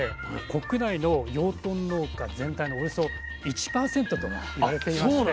国内の養豚農家全体のおよそ１％と言われていまして。